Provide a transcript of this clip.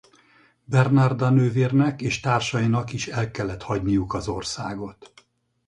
Bernarda nővérnek és társainak is el kellett hagyniuk az országot.